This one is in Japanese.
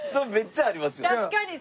確かに。